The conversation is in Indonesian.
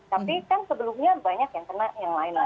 tapi kan sebelumnya banyak yang kena yang lain lah